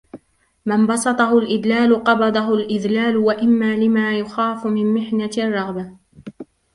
مَنْ بَسَطَهُ الْإِدْلَالُ قَبَضَهُ الْإِذْلَالُ وَإِمَّا لِمَا يُخَافُ مِنْ مِحْنَةِ الرَّغْبَةِ